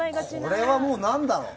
これはもう何だろう。